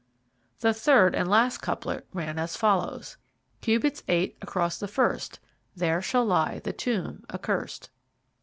The third and last couplet ran as follows: Cubits eight across the first There shall lie the tomb accurst.